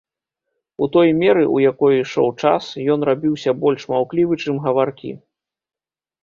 У той меры, у якой ішоў час, ён рабіўся больш маўклівы, чым гаваркі.